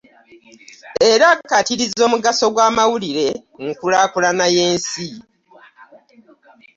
Era akkaatirizza omugaso gw'amawulire mu nkulaakulana y'ensi.